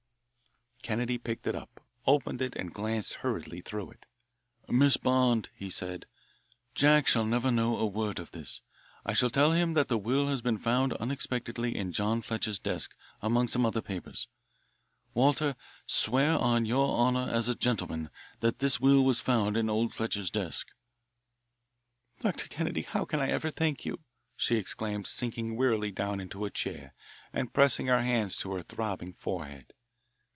Kennedy picked it up, opened it, and glanced hurriedly through it. "Miss Bond," he said, "Jack shall never know a word of this. I shall tell him that the will has been found unexpectedly in John Fletcher's desk among some other papers. Walter, swear on your honour as a gentleman that this will was found in old Fletcher's desk." "Dr. Kennedy, how can I ever thank you?" she exclaimed, sinking wearily down into a chair and pressing her hands to her throbbing forehead.